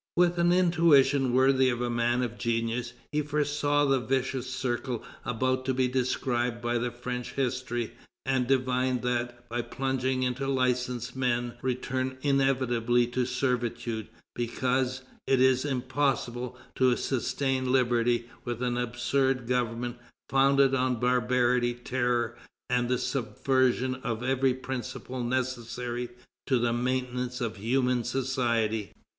With an intuition worthy of a man of genius, he foresaw the vicious circle about to be described by French history, and divined that by plunging into license men return inevitably to servitude, because "it is impossible to sustain liberty with an absurd government, founded on barbarity, terror, and the subversion of every principle necessary to the maintenance of human society."